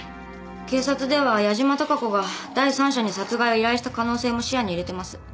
警察では矢島貴子が第三者に殺害を依頼した可能性も視野に入れてます。